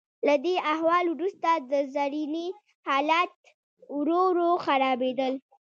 له دې احوال وروسته د زرینې حالات ورو ورو خرابیدل.